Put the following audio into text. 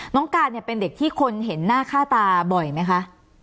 น้องการเนี่ยเป็นเด็กที่คนเห็นหน้าค่าตาบ่อยไหมคะ